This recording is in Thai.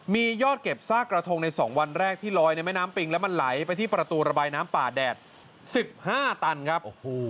มียอดเก็บซากกระทงใน๒วันแรกที่ลอยในแม่น้ำปิงแล้วมันไหลไปที่ประตูระบายน้ำป่าแดด๑๕ตันครับ